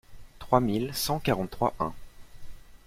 trois mille cent quarante-trois-un.